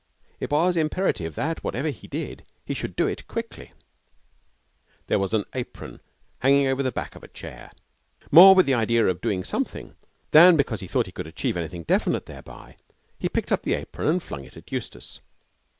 It was imperative that, whatever he did, he should do it quickly. There was an apron hanging over the back of a chair. More with the idea of doing something than because he thought he would achieve anything definite thereby, he picked up the apron and flung it at Eustace.